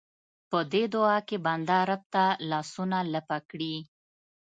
په دې دعا کې بنده رب ته لاسونه لپه کړي.